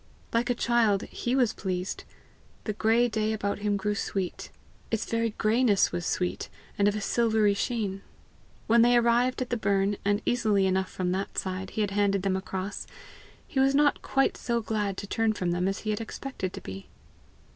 Like a child he was pleased. The gray day about him grew sweet; its very grayness was sweet, and of a silvery sheen. When they arrived at the burn, and, easily enough from that side, he had handed them across, he was not quite so glad to turn from them as he had expected to be.